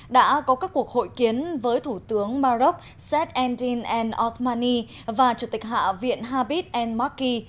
đã có các cuộc hội kiến với thủ tướng maroc seth endin n othmani và chủ tịch hạ viện habit n maki